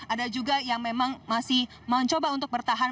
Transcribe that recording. ada juga yang memang masih mencoba untuk bertahan